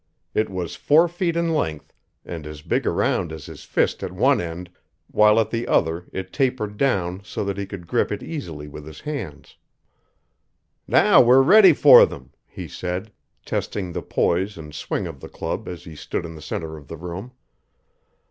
It was four feet in length and as big around as his fist at one end while at the other it tapered down so that he could grip it easily with his hands. "Now we're ready for them," he said, testing the poise and swing of the club as he stood in the center of the room.